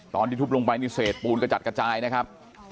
ตอนที่ทุบลงไปนี่เศษปูนกระจัดกระจายนะครับ